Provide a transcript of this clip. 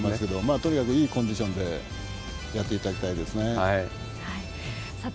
とにかくいいコンディションでやっていただきたいですね。